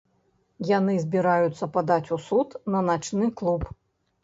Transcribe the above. Яны збіраюцца падаць у суд на начны клуб.